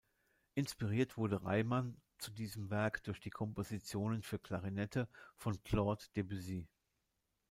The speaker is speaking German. Inspiriert wurde Reimann zu diesem Werk durch die Kompositionen für Klarinette von Claude Debussy.